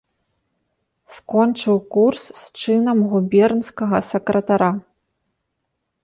Скончыў курс з чынам губернскага сакратара.